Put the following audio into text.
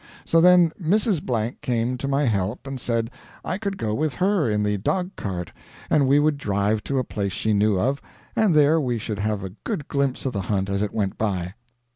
So then Mrs. Blank came to my help and said I could go with her in the dog cart and we would drive to a place she knew of, and there we should have a good glimpse of the hunt as it went by.